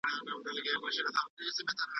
د قهر په وارونو کې کمبود هم ستا په نوم و